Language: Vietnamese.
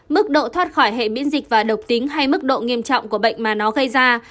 mức độ thoát khỏi hệ biễn dịch và độc tính hay mức độ nghiêm trọng của bệnh mà nó gây ra